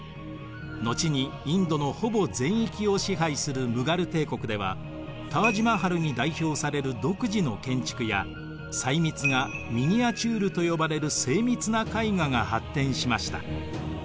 後にインドのほぼ全域を支配するムガル帝国ではタージ・マハルに代表される独自の建築や細密画ミニアチュールと呼ばれる精密な絵画が発展しました。